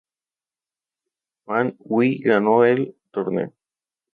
Fan Hui ganó el torneo.